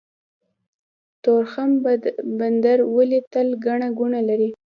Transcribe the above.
تورخم بندر ولې تل ګڼه ګوڼه لري؟